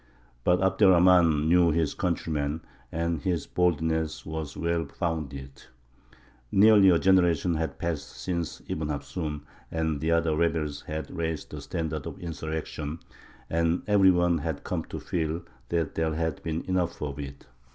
But Abd er Rahmān knew his countrymen, and his boldness was well founded. Nearly a generation had passed since Ibn Hafsūn and the other rebels had raised the standard of insurrection, and every one had come to feel that there had been enough of it.